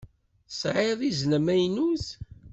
Tesɛiḍ izen amaynut.